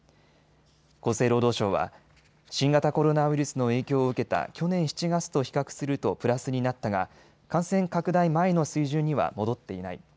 厚生労働省は新型コロナウイルスの影響を受けた去年７月と比較するとプラスになったが感染拡大前の水準には戻っていない。